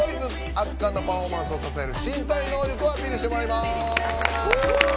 圧巻のパフォーマンスを支える身体能力をアピールしてもらいます。